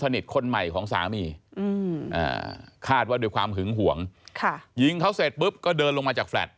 ตอบนิ่งแบบเนี่ยค่ะ